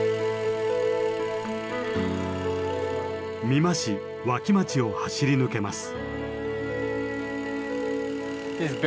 美馬市脇町を走り抜けます。